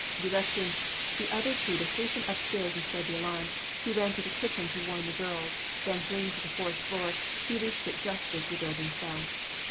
Directing the other two to hasten upstairs and spread the alarm, he ran to the kitchen to warn the girls; then fleeing to the fourth floor, he reached it just as the building fell.